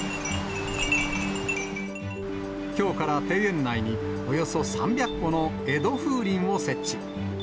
きょうから庭園内に、およそ３００個の江戸風鈴を設置。